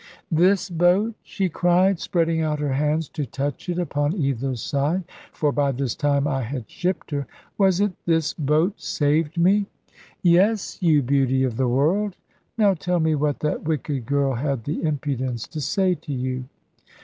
"This boat!" she cried, spreading out her hands to touch it upon either side for by this time I had shipped her "was it this boat saved me?" "Yes, you beauty of the world. Now tell me what that wicked girl had the impudence to say to you."